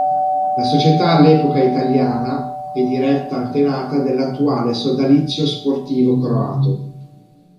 La società all'epoca italiana e diretta antenata dell'attuale sodalizio sportivo croato.